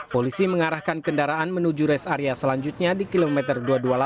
polisi mengarahkan kendaraan menuju res area selanjutnya di kilometer dua ratus dua puluh delapan